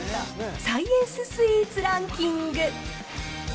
サイエンススイーツランキング。